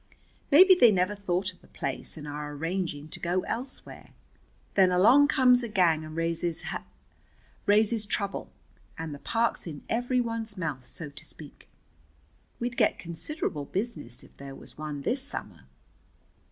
Maybe they never thought of the place and are arranging to go elsewhere. Then along comes a gang and raises h , raises trouble, and the park's in every one's mouth, so to speak. We'd get considerable business if there was one this summer."